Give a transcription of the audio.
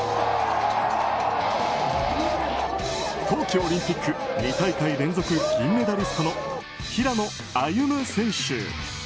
冬季オリンピック２大会連続銀メダリストの平野歩夢選手。